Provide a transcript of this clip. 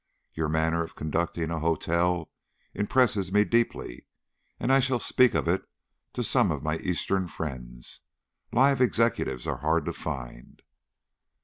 "Your manner of conducting a hotel impresses me deeply, and I shall speak of it to some of my Eastern friends. Live executives are hard to find."